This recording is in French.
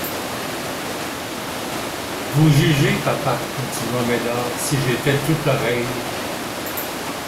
«, Vous jugez, papa, continua Médor, si j'étais tout oreilles.